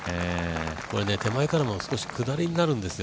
これ、手前からも少し下りになるんですよ。